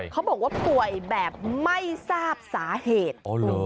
เขาบอกว่าป่วยแบบไม่ทราบสาเหตุ